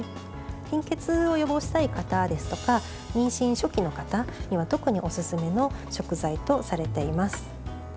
貧血を予防したい方ですとか妊娠初期の方には、特におすすめの食材とされています。